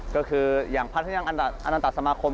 ก็คืออย่างพระท่านยังอนันตสมาคม